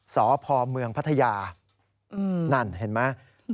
สพเมืองพัทยานั่นเห็นไหม